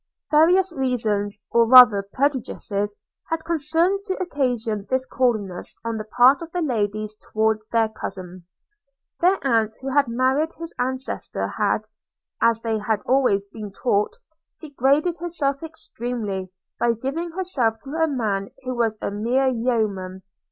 Various reasons, or rather prejudices, had concurred to occasion this coolness on the part of the ladies towards their cousin. – Their aunt, who had married his ancestor, had, as they had always been taught, degraded herself extremely, by giving herself to a man who was a mere yeoman.